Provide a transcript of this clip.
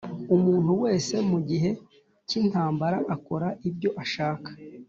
Umuntu wese mu gihe cy’ intambara akora ibyo ashaka